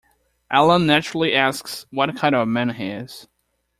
Allan naturally asks what kind of man he is.